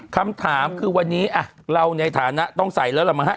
คำถามคือวันนี้เราในฐานะต้องใส่แล้วล่ะมั้